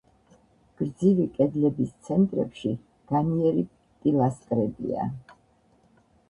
გრძივი კედლების ცენტრებში განიერი პილასტრებია.